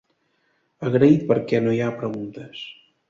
Agraït perquè no hi ha preguntes.